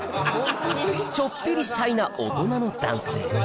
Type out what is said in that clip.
ちょっぴりシャイな大人の男性